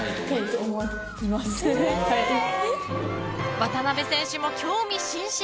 渡辺選手も興味津々。